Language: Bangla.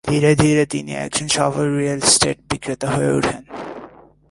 ধীরে ধীরে, তিনি একজন সফল রিয়েল এস্টেট বিক্রেতা হয়ে উঠেন।